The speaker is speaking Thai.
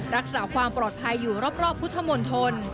รักษาความปลอดภัยอยู่รอบพุทธมนตร